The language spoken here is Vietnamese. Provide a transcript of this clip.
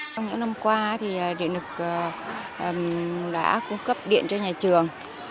trong những năm qua thì điện lực đã cung cấp điện cho nhà trường